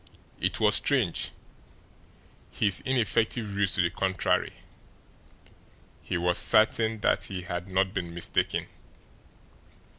It was strange! His ineffective ruse to the contrary, he was certain that he had not been mistaken.